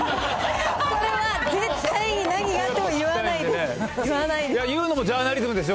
それは絶対に何があっても言わないです。